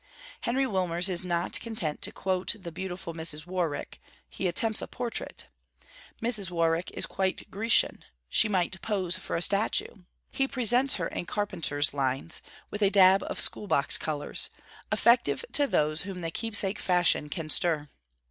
Henry Wilmers is not content to quote the beautiful Mrs. Warwick, he attempts a portrait. Mrs. Warwick is 'quite Grecian.' She might 'pose for a statue.' He presents her in carpenter's lines, with a dab of school box colours, effective to those whom the Keepsake fashion can stir.